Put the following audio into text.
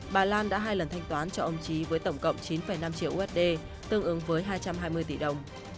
bà lan đã hai lần thanh toán cho ông trí với tổng cộng chín năm triệu usd tương ứng với hai trăm hai mươi tỷ đồng